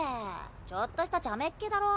ちょっとしたちゃめっ気だろ？